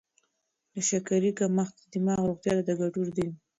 د شکرې کمښت د دماغ روغتیا ته ګټور دی.